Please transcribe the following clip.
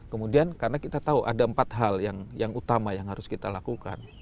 kemudian karena kita tahu ada empat hal yang utama yang harus kita lakukan